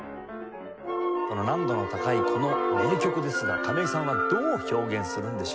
難度の高いこの名曲ですが亀井さんはどう表現するんでしょうか？